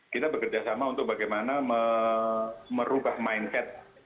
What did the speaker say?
kita bekerjasama untuk bagaimana merubah mindset